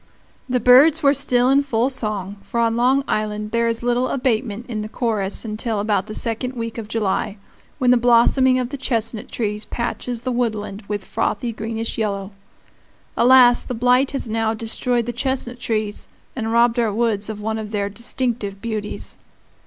The birds were still in full song, for on Long Island there is little abatement in the chorus until about the second week of July, when the blossoming of the chestnut trees patches the woodland with frothy greenish yellow.[*] [*] Alas! the blight has now destroyed the chestnut trees, and robbed our woods of one of their distinctive beauties.